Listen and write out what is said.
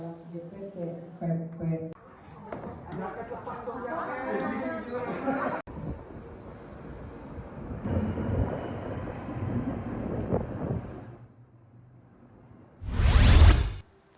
pemilu di singapura